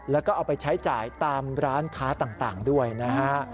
แล้วก็เอาไปใช้จ่ายตามร้านค้าต่างด้วยนะฮะ